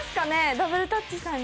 ダブルタッチさんに。